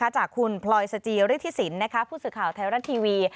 จากคุณพลอยสจิฤทธิสินผู้สื่อข่าวไทยรัฐทีวี